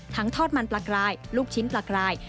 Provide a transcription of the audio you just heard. ทอดมันปลากรายลูกชิ้นปลากราย